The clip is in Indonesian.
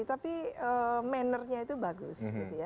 tapi mannernya itu bagus